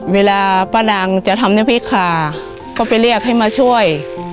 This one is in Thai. เวลาป้านางจะทำน้ำพริกขาก็ไปเรียกให้มาช่วย